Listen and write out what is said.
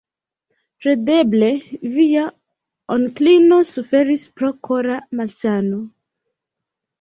Kredeble via onklino suferis pro kora malsano?